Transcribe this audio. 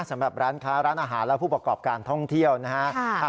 สำหรับร้านค้าร้านอาหารและผู้ประกอบการท่องเที่ยวนะฮะ